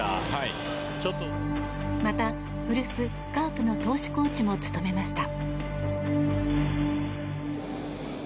また古巣カープの投手コーチも務めました。